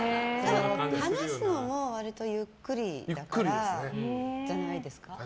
話すのも割とゆっくりだからじゃないですか？